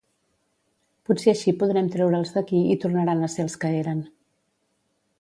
Potser així podrem treure'ls d'aquí i tornaran a ser els que eren.